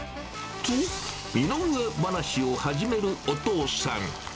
と、身の上話を始めるお父さん。